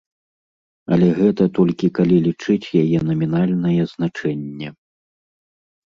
Але гэта толькі калі лічыць яе намінальнае значэнне.